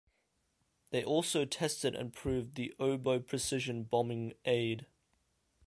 They also tested and proved the Oboe precision bombing aid.